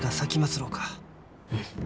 うん。